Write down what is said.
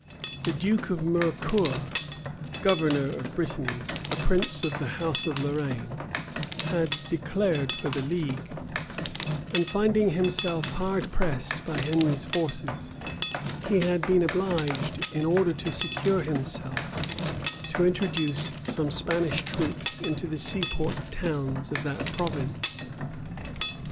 The duke of Mercoeur, governor of Brittany, a prince of the house of Lorraine, had declared for the league; and finding himself hard pressed by Henry's forces, he had been obliged, in order to secure himself, to introduce some Spanish troops into the seaport towns of that province.